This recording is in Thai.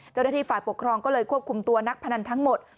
เจ้าหน้าที่ฝ่ายปกครองก็เลยควบคุมตัวนักพนันทั้งหมด